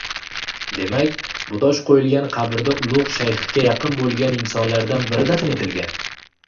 Demak, bu tosh qoʻyilgan qabrda ulugʻ shayxga yaqin boʻlgan insonlardan biri dafn etilgan